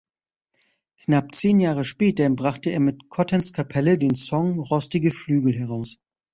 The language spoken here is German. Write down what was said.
Knapp zehn Jahre später brachte er mit Kottan’s Kapelle den Song Rostige Flügel heraus.